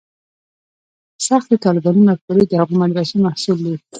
سختې طالباني مفکورې د هغو مدرسو محصول دي.